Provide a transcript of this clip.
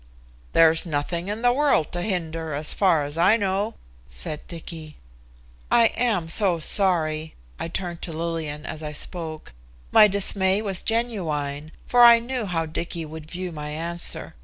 "There's nothing in the world to hinder as far as I know," said Dicky. "I am so sorry," I turned to Lillian as I spoke. My dismay was genuine, for I knew how Dicky would view my answer.